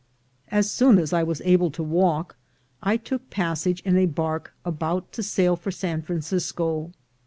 As soon as I was able to walk, I took passage in a barque about to sail for San Francisco.